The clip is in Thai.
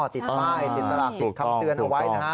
ติดป้ายติดสลากติดคำเตือนเอาไว้นะฮะ